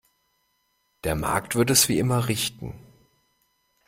Der Markt wird es wie immer richten.